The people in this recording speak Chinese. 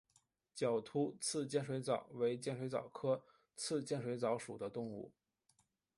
角突刺剑水蚤为剑水蚤科刺剑水蚤属的动物。